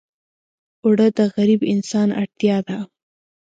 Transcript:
اوړه د غریب انسان اړتیا ده